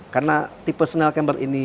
karena tipe snail camper ini